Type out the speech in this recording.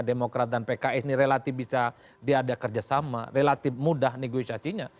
demokrat dan pks ini relatif bisa diadakan kerjasama relatif mudah negosiasinya